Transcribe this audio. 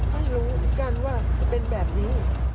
ไม่รู้กันว่าจะเป็นแบบนี้